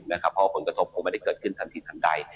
เพราะว่าผลกระทบคงไม่ได้เกิดขึ้นทันทีทันใด